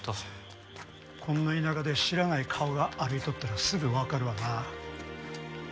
こんな田舎で知らない顔が歩いとったらすぐわかるわな。